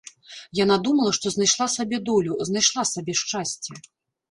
Яна думала, што знайшла сабе долю, знайшла сабе шчасце.